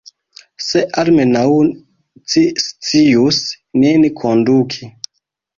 Se almenaŭ ci scius nin konduki!